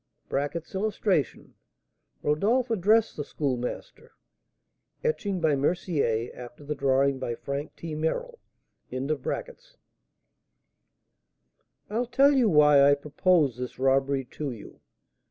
[Illustration: "Rodolph Addressed the Schoolmaster" Etching by Mercier, after the drawing by Frank T. Merrill] "I'll tell you why I proposed this robbery to you.